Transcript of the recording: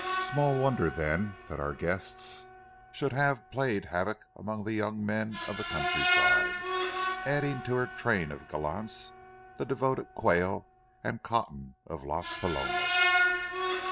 Small wonder then that our guest should have played havoc among the young men of the countryside, adding to her train of gallants the devoted Quayle and Cotton of Las Palomas.